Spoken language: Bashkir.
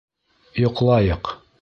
Йоҡлайыҡ.